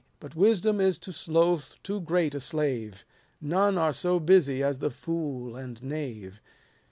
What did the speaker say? But wisdom is to sloth too great a slave ; None are so busy as the fool and knave.